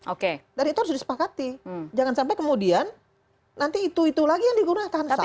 oke dari tertulis pak ati jangan sampai kemudian nanti itu itu lagi yang digunakan tapi ke